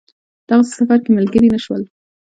دغه سفر کې ملګري نه شول.